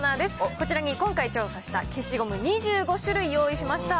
こちらに今回調査した消しゴム２５種類用意しました。